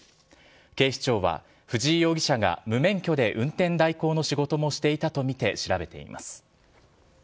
警視庁は藤井容疑者が無免許で運転代行の仕事もしていたと見て調べています。